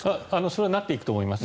それはなっていくと思います。